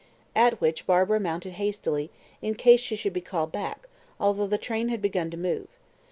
At which Barbara mounted hastily, in case she should be called back, although the train had begun to move.